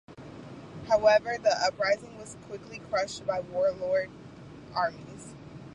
However, the uprising was quickly crushed by warlord armies.